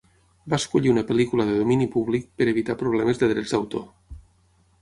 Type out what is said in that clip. Va escollir una pel·lícula de domini públic per evitar problemes de drets d'autor.